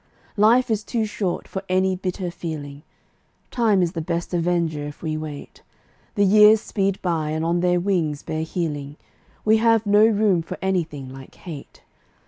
Life is too short for any bitter feeling; Time is the best avenger if we wait; The years speed by, and on their wings bear healing; We have no room for anything like hate.